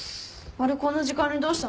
あれこんな時間にどうしたの？